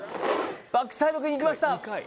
バックサイドにいきました。